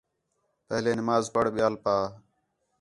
پہلے نماز پڑھ ٻیال پا